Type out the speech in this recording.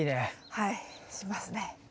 はいしますね。